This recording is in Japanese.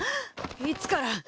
いつから？